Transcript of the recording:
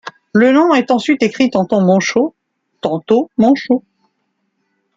Le nom est ensuite écrit tantôt Moncheaux, tantôt Monchaux.